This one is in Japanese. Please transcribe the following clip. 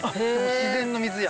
自然の水や。